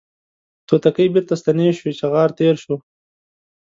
توتکۍ بیرته ستنې شوې چغار تیر شو